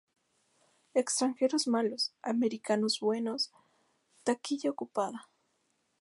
Extranjeros malos, americanos buenos, taquilla ocupada.